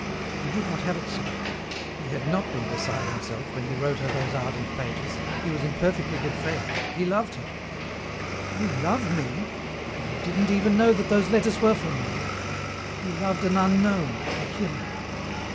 He would not have it so. He had not been beside himself when he wrote her those ardent pages, he was in perfectly good faith, he loved her "You love me! Why, you didn't even know that those letters were from me. You loved an unknown, a chimera.